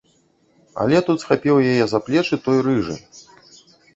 Але тут схапіў яе за плечы той, рыжы.